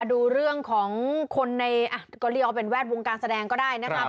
ดูเรื่องของคนในก็เรียกว่าเป็นแวดวงการแสดงก็ได้นะครับ